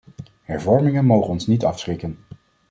Hervormingen mogen ons niet afschrikken.